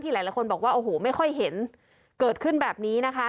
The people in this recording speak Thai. หลายคนบอกว่าโอ้โหไม่ค่อยเห็นเกิดขึ้นแบบนี้นะคะ